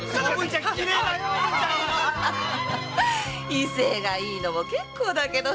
威勢がいいのも結構だけど。